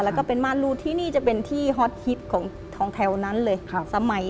แล้วก็เป็นม่านรูดที่นี่จะเป็นที่ฮอตฮิตของแถวนั้นเลย